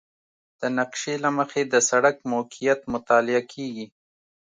د نقشې له مخې د سړک موقعیت مطالعه کیږي